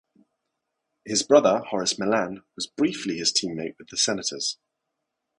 His brother, Horace Milan, was briefly his teammate with the Senators.